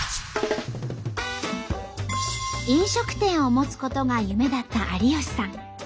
飲食店を持つことが夢だった有吉さん。